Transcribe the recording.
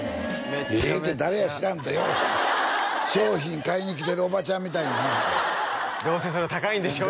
「ええ」って誰や知らんとようそんな商品買いに来てるおばちゃんみたいになどうせそれ高いんでしょ？